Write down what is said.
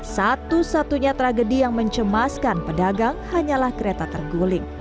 satu satunya tragedi yang mencemaskan pedagang hanyalah kereta terguling